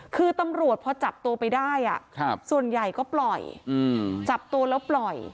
คือตำรวจพอจับตัวไปได้ส่วนใหญ่ก็ปล่อยจับตัวแล้วปล่อย